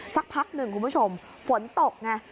สักพักหนึ่งคุณผู้ชมฝนตกไง